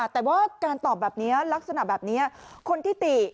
แต่การตอบเนี่ยลักษณะแบบนี้คนที่ติ